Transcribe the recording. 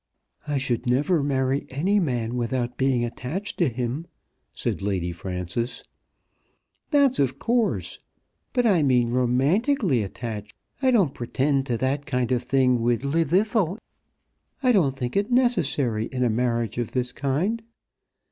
"I should never marry any man without being attached to him," said Lady Frances. "That's of course! But I mean romantically attached. I don't pretend to that kind of thing with Llwddythlw. I don't think it necessary in a marriage of this kind.